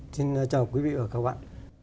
xin chào quý vị và các bạn